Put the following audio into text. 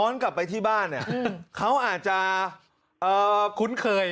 กลับไปที่บ้านเนี่ยเขาอาจจะคุ้นเคย